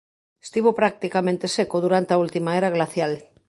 Estivo practicamente seco durante a última era glacial.